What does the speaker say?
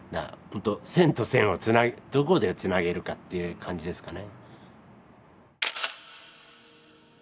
線と線をどこでつなげるかっていう感じですかね。